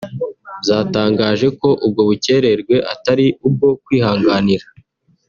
zatangaje ko ubwo bucyererwe atari ubwo kwihanganira